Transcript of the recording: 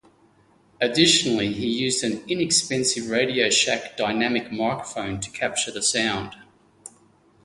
Additionally he used an inexpensive Radioshack dynamic microphone to capture the sound.